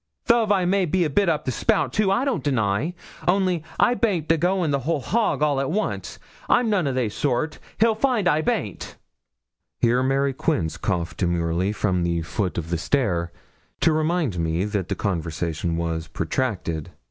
Thof I may be a bit up the spout, too, I don't deny; only I baint agoin' the whole hog all at once. I'm none o' they sort. He'll find I baint.' Here Mary Quince coughed demurely from the foot of the stair, to remind me that the conversation was protracted.